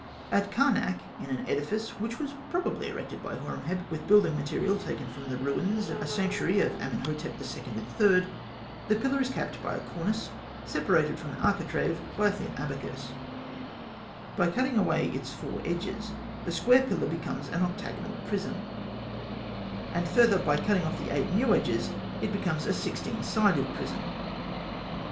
At Karnak, in an edifice which was probably erected by Horemheb with building material taken from the ruins of a sanctuary of Amenhotep II. and III., the pillar is capped by a cornice, separated from the architrave by a thin abacus (fig. 58). By cutting away its four edges, the square pillar becomes an octagonal prism, and further, by cutting off the eight new edges, it becomes a sixteen sided prism.